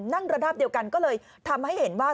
ระนาบเดียวกันก็เลยทำให้เห็นว่า